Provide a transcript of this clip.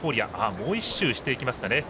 もう一周していきますかね。